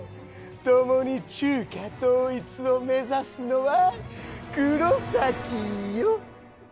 共に中華統一を目指すのは黒崎よ。